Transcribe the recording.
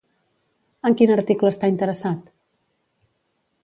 En quin article està interessat?